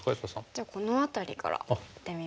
じゃあこの辺りからいってみますか。